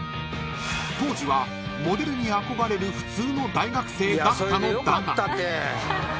［当時はモデルに憧れる普通の大学生だったのだが］